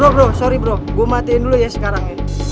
bro sorry bro gue matiin dulu ya sekarang ini